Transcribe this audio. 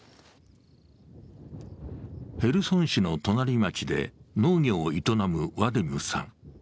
ヘルソン市の隣町で農業を営むワディムさん。